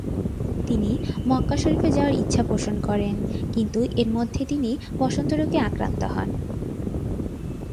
তিনি মক্কা শরীফে যাওয়ার ইচ্ছা পোষণ করেন, কিন্তু এর মধ্যে তিনি বসন্ত রোগে আক্রান্ত হন।